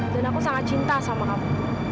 dan aku sangat cinta sama kamu